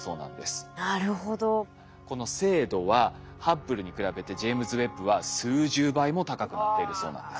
この精度はハッブルに比べてジェイムズ・ウェッブは数十倍も高くなっているそうなんです。